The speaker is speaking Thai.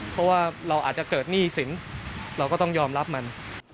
เพราะว่าเราอาจจะเกิดหนี้สินเราก็ต้องยอมรับมัน